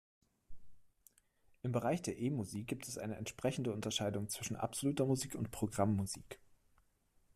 Im Bereich der E-Musik gibt es eine entsprechende Unterscheidung zwischen "absoluter Musik" und "Programmmusik".